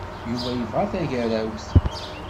Yuba yebɣa tagerrawt.